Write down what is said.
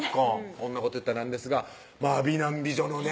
こんなこと言ったらなんですがまぁ美男美女のね